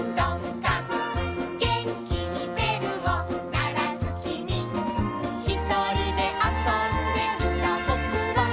「げんきにべるをならすきみ」「ひとりであそんでいたぼくは」